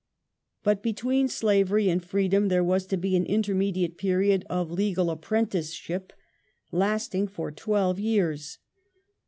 But between slavery and freedom there was to be an intermediate period of " legal apprenticeship " lasting for twelve years.